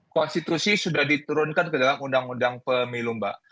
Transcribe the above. konstitusi sudah diturunkan ke dalam undang undang pemilu mbak